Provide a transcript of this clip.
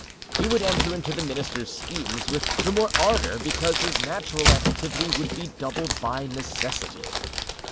He would enter into the minister's schemes with the more ardor, because his natural activity would be doubled by necessity.